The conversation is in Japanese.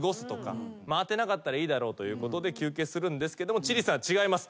回ってなかったらいいだろうということで休憩するんですが千里さんは違います。